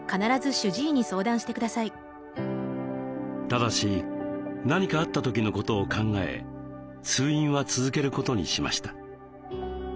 ただし何かあった時のことを考え通院は続けることにしました。